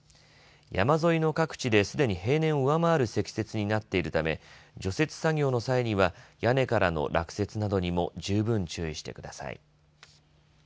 山沿いの各地ですでに平年を上回る積雪になっているため除雪作業の際には屋根からの落雪などにも十分注意してください。